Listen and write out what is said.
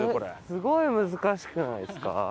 すごい難しくないですか？